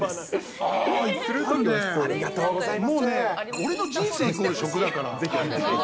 もうね、俺の人生イコール食だから。